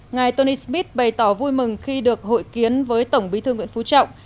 ngài tony smith bày tỏ vui mừng khi được hội kiến với tổng bí thư nguyễn phú trọng